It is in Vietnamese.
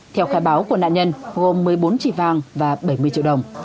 theo khai báo của nạn nhân gồm một mươi bốn chỉ vàng và bảy mươi triệu đồng